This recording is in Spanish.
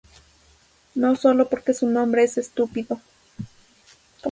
No solo porque su nombre es estúpido